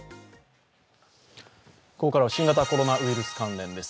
ここからは新型コロナウイルス関連です。